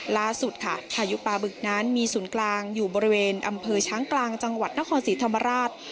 ล่าสุดค่ะพายุปลาบึกนั้นมีศูนย์กลางอยู่บริเวณอำเภอช้างกลางจังหวัดนครศรีธรรมราช